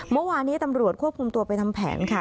เมื่อวานี้ตำรวจควบคุมตัวไปทำแผนค่ะ